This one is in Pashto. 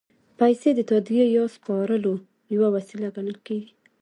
پیسې د تادیې یا سپارلو یوه وسیله ګڼل کېږي